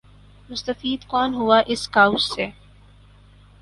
مستفید کون ہوا اس کاؤس سے ۔